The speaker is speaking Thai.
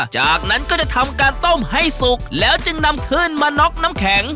จากนั้นก็จะทำการต้มให้สุกแล้วจึงนำขึ้นมาน็อกน้ำแข็ง